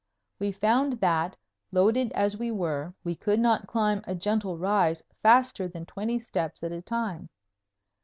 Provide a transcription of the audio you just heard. We found that, loaded as we were, we could not climb a gentle rise faster than twenty steps at a time.